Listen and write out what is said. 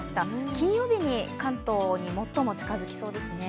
金曜日に関東に最も近づきそうですね。